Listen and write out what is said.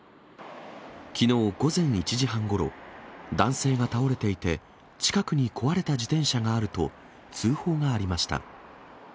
きのう午前１時半ごろ、男性が倒れていて、近くに壊れた自転車があると通報がありました。